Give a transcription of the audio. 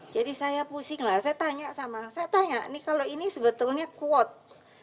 jadi saya pusing lah saya tanya sama saya tanya nih kalau ini sebetulnya quote